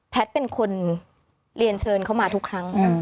เป็นคนเรียนเชิญเขามาทุกครั้ง